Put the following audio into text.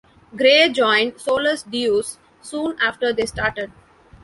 Gray joined Solus Deus soon after they started.